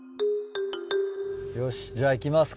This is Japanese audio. よしじゃあ行きますか。